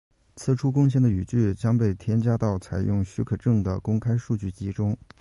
此处贡献的语句将被添加到采用许可证的公开数据集中。